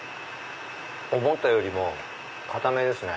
思ったよりも硬めですね